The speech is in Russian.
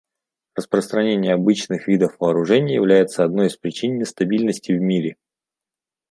Распространение обычных видов вооружений является одной из причин нестабильности в мире.